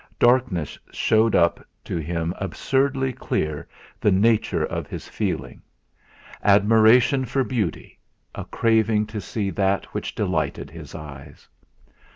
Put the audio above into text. Darkness showed up to him absurdly clear the nature of his feeling. Admiration for beauty a craving to see that which delighted his eyes.